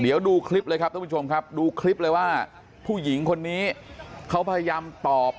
เดี๋ยวดูคลิปเลยครับท่านผู้ชมครับดูคลิปเลยว่าผู้หญิงคนนี้เขาพยายามตอบ